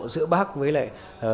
giữa bác với lại